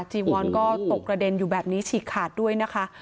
จีวอนก็ตกระเด็นอยู่แบบนี้ฉีกขาดด้วยนะคะ